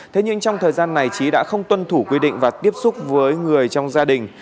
thế nhưng trong thời gian này trí đã không tuân thủ quy định và tiếp xúc với người trong gia đình